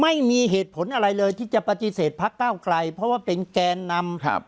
ไม่มีเหตุผลอะไรเลยที่จะปฏิเสธพักเก้าไกลเพราะว่าเป็นแกนนำครับ